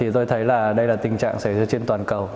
tôi thấy đây là tình trạng xảy ra trên toàn bộ